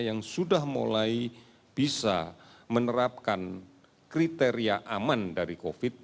yang sudah mulai bisa menerapkan kriteria aman dari covid sembilan belas